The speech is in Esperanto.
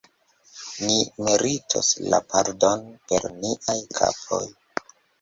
Ni meritos la pardonon per niaj kapoj!